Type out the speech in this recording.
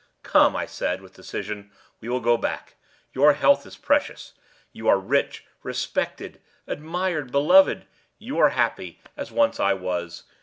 "Come," I said, with decision, "we will go back; your health is precious. You are rich, respected, admired, beloved; you are happy, as once I was.